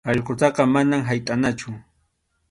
Allqutaqa manam haytʼanachu.